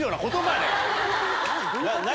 何？